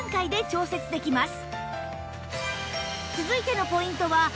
続いてのポイントは